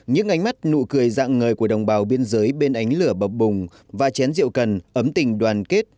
những ánh mắt nụ cười dạng ngời của đồng bào biên giới bên ánh lửa bọc bùng và chén rượu cần ấm tình đoàn kết